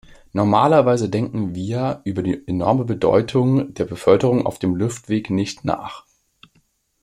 Normalerweise denken wir über die enorme Bedeutung der Beförderung auf dem Luftweg nicht nach.